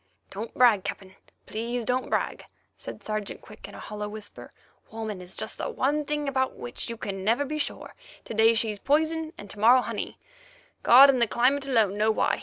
"Don't brag, Captain. Please don't brag," said Sergeant Quick in a hollow whisper. "Woman is just the one thing about which you can never be sure. To day she's poison, and to morrow honey—God and the climate alone know why.